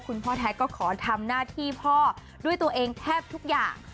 คุณพ่อแท้ก็ขอทำหน้าที่พ่อด้วยตัวเองแทบทุกอย่าง